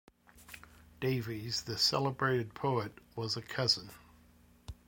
Davies, the celebrated poet, was a cousin.